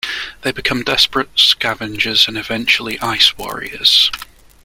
They become desperate scavengers and, eventually, Ice Warriors.